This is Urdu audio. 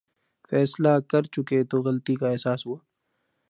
فیصلہ کرچکے تو غلطی کا احساس ہوا۔